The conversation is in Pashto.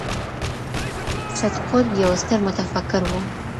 سید قطب یو ستر متفکر و.